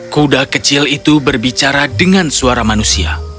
kuda kecil itu berbicara dengan suara manusia